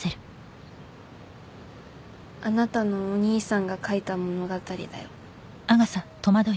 あなたのお兄さんが書いた物語だよ